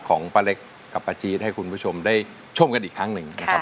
ของป้าเล็กกับป้าจี๊ดให้คุณผู้ชมได้ชมกันอีกครั้งหนึ่งนะครับ